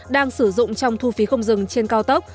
đang sử dụng trong thu phí không dừng trên cao tốc